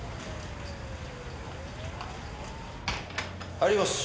入ります。